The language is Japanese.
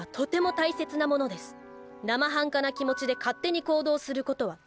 生半可な気持ちで勝手に行動することは慎んで下さい。